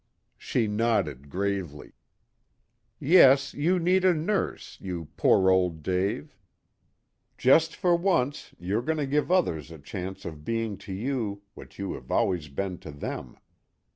She nodded gravely. "Yes, you need a nurse, you poor old Dave. Just for once you're going to give others a chance of being to you what you have always been to them.